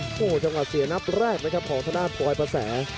โอ้โหจังหวะเสียนับแรกนะครับของทางด้านปลอยประแส